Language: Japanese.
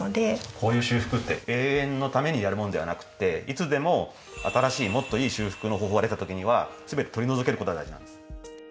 こういう修復って永遠のためにやるものではなくていつでも新しいもっといい修復の方法が出た時には全て取り除けることが大事なんです。